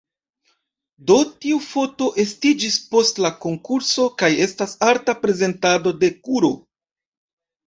Do, tiu foto estiĝis post la konkurso kaj estas arta prezentado de kuro.